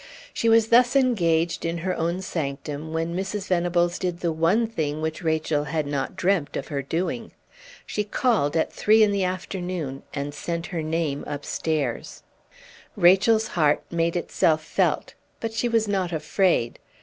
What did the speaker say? She was thus engaged, in her own sanctum, when Mrs. Venables did the one thing which Rachel had not dreamt of her doing. She called at three in the afternoon, and sent her name upstairs. Rachel's heart made itself felt; but she was not afraid.